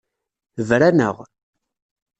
Bran-aɣ.